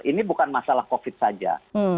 ini bukan masalah covid saja